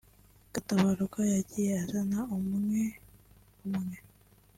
Gatabarwa yagiye azana umwe umwe